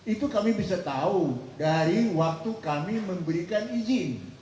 itu kami bisa tahu dari waktu kami memberikan izin